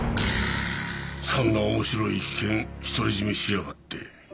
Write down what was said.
そんな面白い一件独り占めしやがって。